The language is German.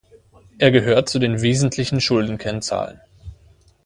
Er gehört zu den wesentlichen Schuldenkennzahlen.